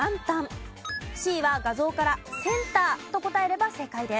Ｃは画像からせんたーと答えれば正解です。